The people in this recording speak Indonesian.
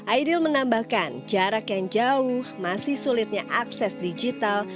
aidil menambahkan jarak yang jauh masih sulitnya akses digital